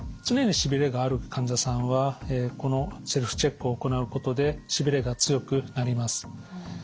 常にしびれがある患者さんはこのセルフチェックを行うことでしびれが強くなります。